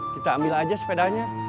kita ambil aja sepedanya